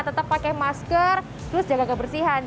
tetap pakai masker terus jaga kebersihan